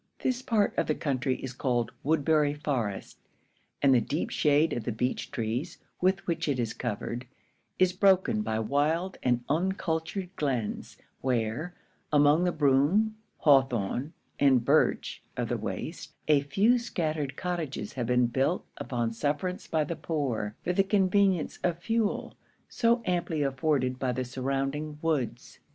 This part of the country is called Woodbury Forest; and the deep shade of the beech trees with which it is covered, is broken by wild and uncultured glens; where, among the broom, hawthorn and birch of the waste, a few scattered cottages have been built upon sufferance by the poor for the convenience of fewel, so amply afforded by the surrounding woods.